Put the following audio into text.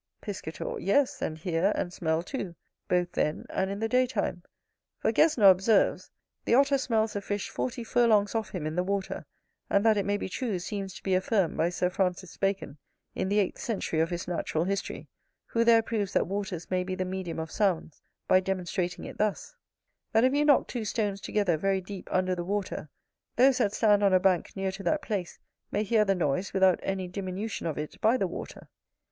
Piscator Yes, and hear, and smell too, both then and in the day time: for Gesner observes, the Otter smells a fish forty furlongs off him in the water: and that it may be true, seems to be affirmed by Sir Francis Bacon, in the eighth century of his Natural History, who there proves that waters may be the medium of sounds, by demonstrating it thus: "That if you knock two stones together very deep under the water, those that stand on a bank near to that place may hear the noise without any diminution of it by the water